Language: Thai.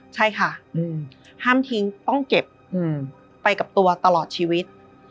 ใช่ค่ะห้ามทิ้งต้องเก็บไปกับตัวตลอดชีวิต